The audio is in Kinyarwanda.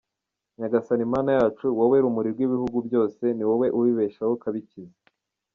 Nyagasani Mana yacu, wowe Rumuri rw’ibihugu byose, ni wowe ubibeshaho ukabikiza.